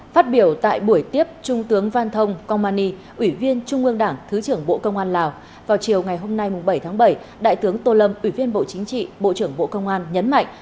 phát biểu tại buổi tiếp trung tướng van thông komani ủy viên trung ương đảng thứ trưởng bộ công an lào vào chiều ngày hôm nay bảy tháng bảy đại tướng tô lâm ủy viên bộ chính trị bộ trưởng bộ công an nhấn mạnh